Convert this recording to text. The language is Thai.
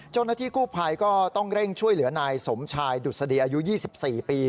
เจ้าหน้าที่กู้ภัยก็ต้องเร่งช่วยเหลือนายสมชายดุษฎีอายุ๒๔ปี